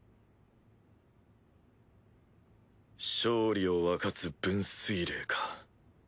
勝利を分かつ分水れいか。